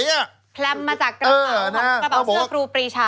แพลมมาจากกระเป๋ากระเป๋าเสื้อครูปรีชา